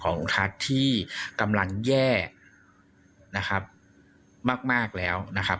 ของเขาที่กำลังแยกนะครับมากแล้วนะครับ